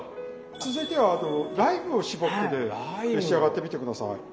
続いてはライムを搾ってね召し上がってみて下さい。